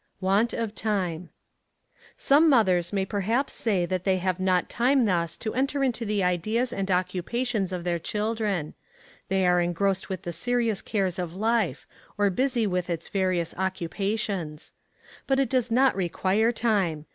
Want of Time. Some mothers may perhaps say that they have not time thus to enter into the ideas and occupations of their children. They are engrossed with the serious cares of life, or busy with its various occupations. But it does not require time.